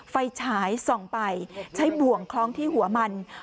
ไฟฉายส่องไปใช้บ่วงคล้องที่หัวมัน